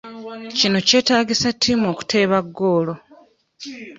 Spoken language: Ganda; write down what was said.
Kino kyetaagisa ttiimu okuteeba goal.